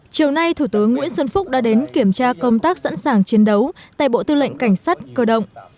chiều nay thủ tướng nguyễn xuân phúc đã đến kiểm tra công tác sẵn sàng chiến đấu tại bộ tư lệnh cảnh sát cơ động